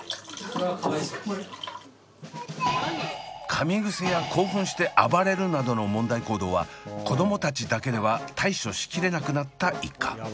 かみ癖や興奮して暴れるなどの問題行動は子どもたちだけでは対処し切れなくなった一家。